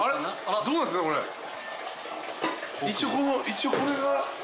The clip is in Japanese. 一応これが。